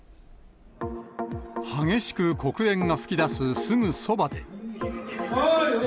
激しく黒煙が噴き出すすぐそばで。